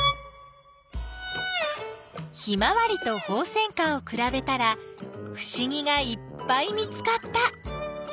ヒマワリとホウセンカをくらべたらふしぎがいっぱい見つかった。